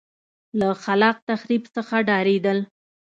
له خلاق تخریب څخه ډارېدل.